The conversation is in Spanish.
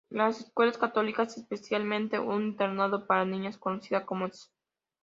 Las escuelas católicas, especialmente un internado para niñas conocida como "St.